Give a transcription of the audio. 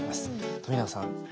冨永さん